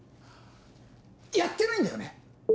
やってないんだよね？